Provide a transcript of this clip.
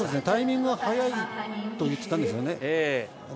タイミングが早いと言っていたんですよね。